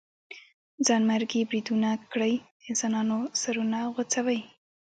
ځانمرګي بريدونه کړئ د انسانانو سرونه غوڅوئ.